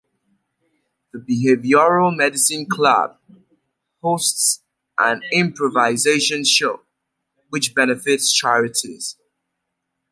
The behavioral medicine club hosts an improvisation show, which benefits charities.